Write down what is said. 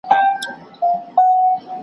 لا په غاړه د لوټونو امېلونه .